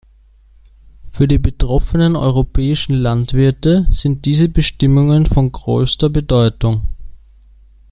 Für die betroffenen europäischen Landwirte sind diese Bestimmungen von größter Bedeutung.